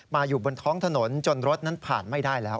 อยู่บนท้องถนนจนรถนั้นผ่านไม่ได้แล้ว